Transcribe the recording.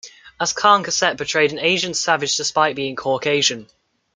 As Kahn Cassett portrayed an Asian savage despite being Caucasian.